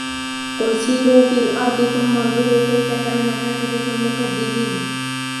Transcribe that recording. قُلْ سِيرُوا فِي الْأَرْضِ ثُمَّ انْظُرُوا كَيْفَ كَانَ عَاقِبَةُ الْمُكَذِّبِينَ